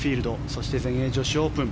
そして、全英女子オープン。